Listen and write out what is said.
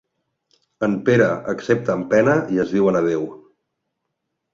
En Pere accepta amb pena i es diuen adéu.